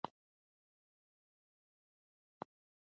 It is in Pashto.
ایا انقلاب د هغه د خدمت مخه ونیوله؟